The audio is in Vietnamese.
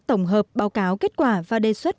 tổng hợp báo cáo kết quả và đề xuất